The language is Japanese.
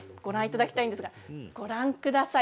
ご覧ください。